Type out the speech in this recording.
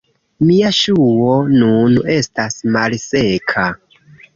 Mia ŝuo nun estas malseka